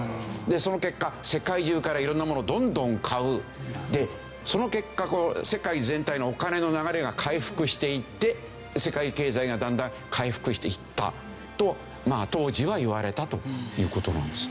その結果世界中から色んなものどんどん買うその結果世界全体のお金の流れが回復していって世界経済がだんだん回復していったと当時はいわれたという事なんですね。